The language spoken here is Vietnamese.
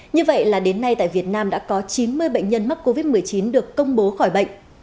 như vậy là đến nay tại việt nam đã có chín mươi bệnh nhân mắc covid một mươi chín được công bố khỏi bệnh